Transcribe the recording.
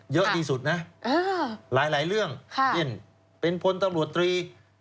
เยอะที่สุดนะเออหลายหลายเรื่องค่ะเป็นพลตำรวจตรี